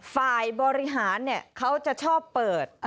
ฝ่ายบริหารเขาจะชอบเปิด